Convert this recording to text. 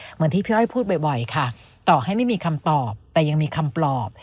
เหมือนที่พี่อ้อยพูดบ่อยค่ะต่อให้ไม่มีคำตอบแต่ยังมีคำปลอบ